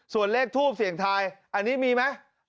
ส่วนเลขทูปเสี่ยงทายอันนี้มีไหม